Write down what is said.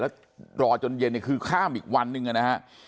แล้วรอจนเย็นเนี่ยคือข้ามอีกวันหนึ่งนะฮะ